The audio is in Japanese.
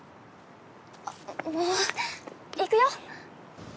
あっもう行くよ。